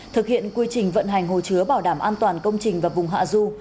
thực hiện quy trình vận hành hồ chứa bảo đảm an toàn công trình và vùng hạ du